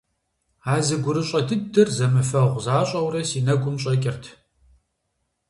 А зы гурыщӀэ дыдэр зэмыфэгъу защӀэурэ си нэгум щӀэкӀырт.